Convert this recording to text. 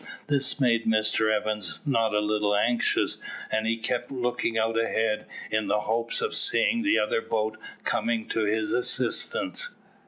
This made Mr Evans not a little anxious, and he kept looking out ahead, in the hopes of seeing the other boat coming to his assistance.